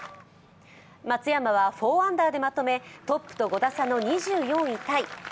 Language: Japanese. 松山は４アンダーでまとめトップと５打差の２４位タイ。